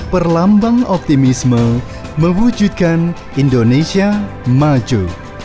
perlambang optimisme mewujudkan indonesia maju